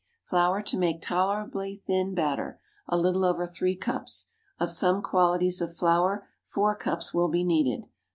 Flour to make tolerably thin batter (a little over three cups). Of some qualities of flour four cups will be needed.